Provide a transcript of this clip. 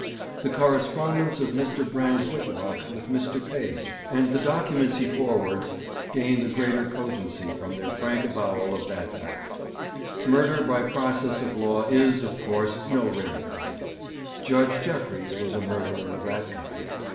The correspondence of Mr. Brand Whitlock with Mr. Page, and the documents he forwards, gain the greater cogency from their frank avowal of that fact. Murder by process of law is, of course, no rare thing. Judge Jeffreys was a murderer of that kind.